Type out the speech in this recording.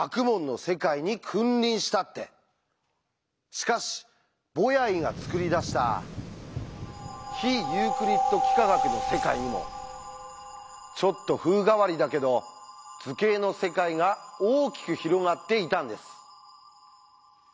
しかしボヤイが作り出した非ユークリッド幾何学の世界にもちょっと風変わりだけど図形の世界が大きく広がっていたんです。